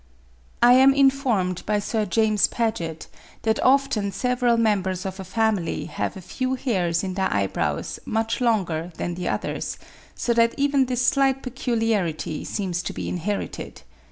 I am informed by Sir James Paget that often several members of a family have a few hairs in their eyebrows much longer than the others; so that even this slight peculiarity seems to be inherited.